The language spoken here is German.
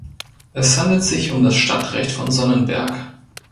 Es handelt sich um das Stadtrecht von Sonnenberg.